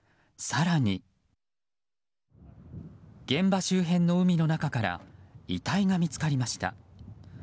更に現場周辺の海の中から遺体が見つかりました。